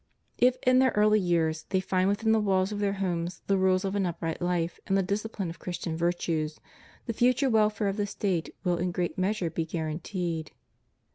207 If in their early years they find within the walls of their homes the rule of an upright life and the discipline of Christian virtues, the future welfare of the State will in great measure be guaranteed.